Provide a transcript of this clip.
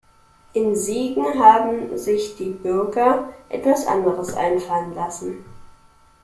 In Siegen haben sich die Bürger etwas anderes einfallen lassen.